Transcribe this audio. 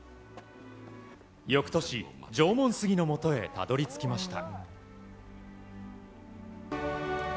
翌年、縄文杉のもとへたどり着きました。